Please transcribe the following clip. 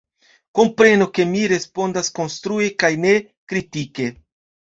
Komprenu, ke mi respondas konstrue kaj ne kritike.